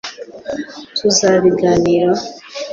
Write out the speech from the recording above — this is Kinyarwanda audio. tuzabiganiraho